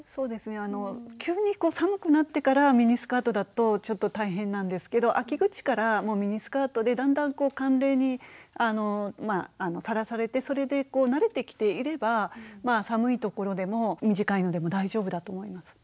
急に寒くなってからミニスカートだとちょっと大変なんですけど秋口からもうミニスカートでだんだん寒冷にさらされてそれで慣れてきていれば寒い所でも短いのでも大丈夫だと思います。